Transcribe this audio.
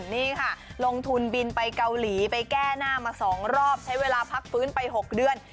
นี่ค่ะลงทุนบินไปเกาหลีไปแก้หน้ามา๒รอบใช้เวลาพักฟื้นไป๖เดือน